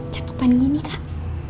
cakupan gini kak